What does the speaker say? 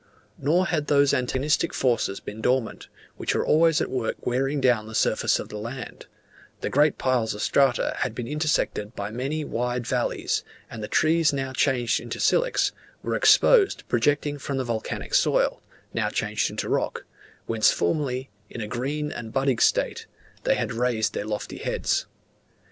Nor had those antagonistic forces been dormant, which are always at work wearing down the surface of the land; the great piles of strata had been intersected by many wide valleys, and the trees now changed into silex, were exposed projecting from the volcanic soil, now changed into rock, whence formerly, in a green and budding state, they had raised their lofty heads.